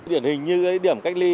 điển hình như cái điểm cách ly